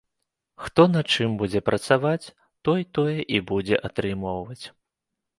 Хто на чым будзе працаваць, той тое і будзе атрымоўваць.